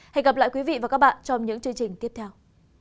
hẹn gặp lại quý vị và các bạn trong những chương trình tiếp theo